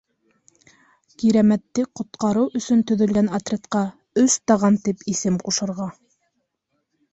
- Кирәмәтте ҡотҡарыу өсөн төҙөлгән отрядҡа «Өс таған» тип исем ҡушырға.